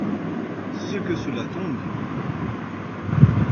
Ce que cela tombe!